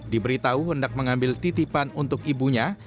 diberitahu hendak mengambil titipan untuk ibunya